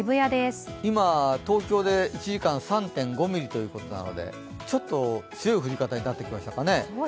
今、東京で１時間３．５ミリということなのでちょっと強い降り方になってきましたかね。